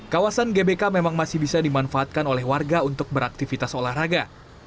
kawasan gbk memang masih bisa dimanfaatkan oleh warga untuk beraktivitas olahraga